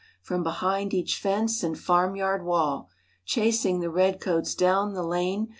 From behind each fence and farmyard wall; Chasing the redcoats down the lane.